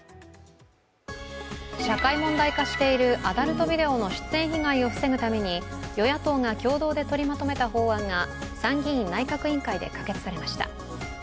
社会問題化しているアダルトビデオの出演被害を防ぐために与野党が共同で取りまとめた法案が参議院・内閣委員会で可決されました。